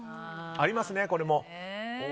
ありますね、これも。